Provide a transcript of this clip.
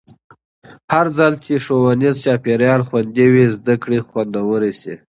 هرځل چې ښوونیز چاپېریال خوندي وي، زده کړه خوندوره شي.